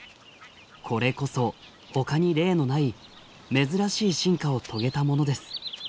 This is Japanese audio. これこそほかに例のない珍しい進化を遂げたものです。